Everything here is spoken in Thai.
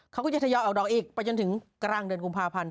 เขาก็จะทะเยาะเอาดอกอีกไปจนถึงกรั่งเดือนกรุงภาพันธ์